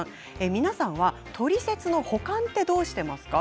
皆さんはトリセツの保管ってどうしていますか？